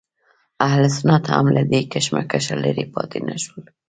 اهل سنت هم له دې کشمکشه لرې پاتې نه شول.